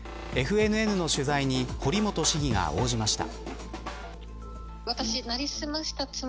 ＦＮＮの取材に堀本市議が応じました。